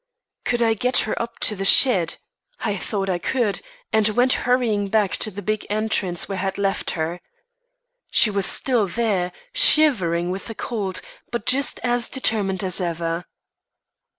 Could I get her up on to the shed? I thought I could, and went hurrying back to the big entrance where I had left her. She was still there, shivering with the cold, but just as determined as ever.